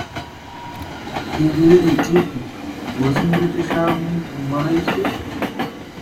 The real "Dippy" was in the British Army in Malaysia.